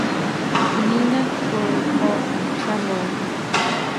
Niña Chole called me, trembling: